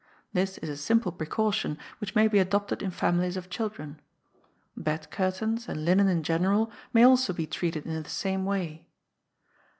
This is a simple precaution, which may be adopted in families of children. Bed curtains, and linen in general, may also be treated in the same way.